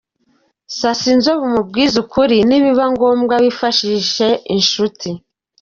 sasa inzobe umubwize ukuri nibiba ngombwa wifashishe inshuti.